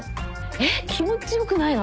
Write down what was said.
えっ気持ちよくないの？